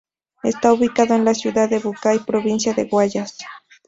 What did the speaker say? Está ubicado en la ciudad de Bucay, provincia de Guayas.